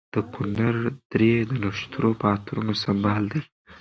د کنر درې د نښترو په عطرونو سمبال دي.